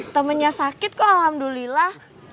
temennya sakit kok alhamdulillah